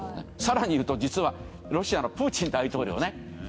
更に言うと実はロシアのプーチン大統領ね。